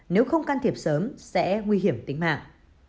nếu không can thiệp sớm sẽ nguy hiểm tính mạng